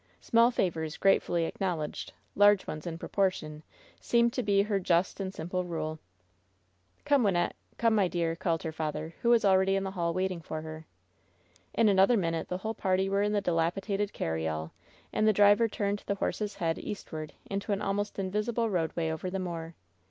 "Small favors gratefully acknowledged, large ones in proportion,'* seemed to be her just and simple rule. "Come, Wynnette. Come, my dear," called her father, who was already in the hall waiting for her. In another minute the whole party were in the dilapi dated carryall, and the driver turned the horse's head eastward into an almost invisible roadway over the moor.